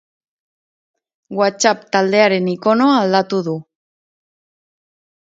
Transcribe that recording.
WhatsApp taldearen ikonoa aldatu du.